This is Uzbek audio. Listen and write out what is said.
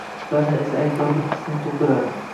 ba’zan esa aybdorlik hissini tug‘diradi.